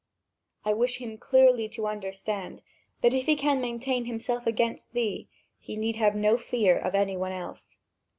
I wish him clearly to understand that, if he can maintain himself against thee, he need have no fear of any one else."